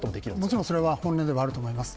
もちろんそれは本音ではあると思います。